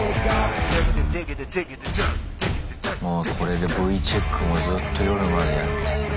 これでＶチェックもずっと夜までやって。